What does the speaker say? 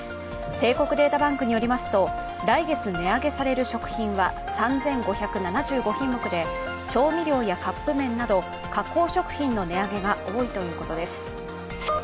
帝国データバンクによりますと来月値上げされる食品は３５７５品目で調味料やカップ麺など加工食品の値上げが多いということです。